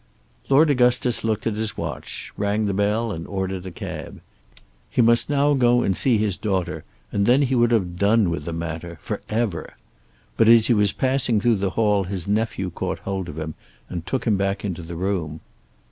Lord Augustus looked at his watch, rang the bell, and ordered a cab. He must now go and see his daughter, and then he would have done with the matter for ever. But as he was passing through the hall his nephew caught hold of him and took him back into the room.